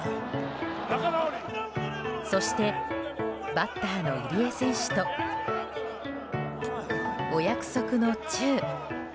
そして、バッターの入江選手とお約束のチュー。